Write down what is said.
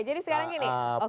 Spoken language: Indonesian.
jadi sekarang gini